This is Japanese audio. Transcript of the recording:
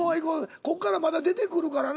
こっからまだ出てくるからな。